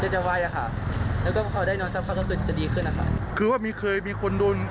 เดินวันเดียวกันของคืนนั้น